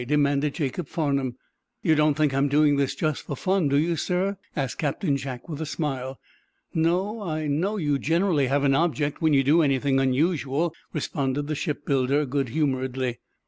demanded Jacob Farnum. "You don't think I'm doing this just for fun, do you, sir?" asked Captain Jack, with a smile. "No; I know you generally have an object when you do anything unusual," responded the shipbuilder, good humoredly.